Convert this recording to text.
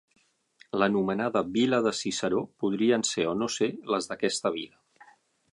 L'anomenada vila de Ciceró podrien ser o no ser les d'aquesta vila.